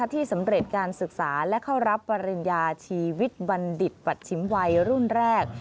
ที่สำเร็จการศึกษาและเข้ารับปริญญาชีวิตบัณฑิตปัชชิมวัยรุ่นแรก